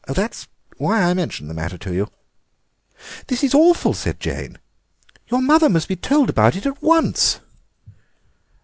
That's why I mentioned the matter to you." "This is awful," said Jane; "your mother must be told about it at once."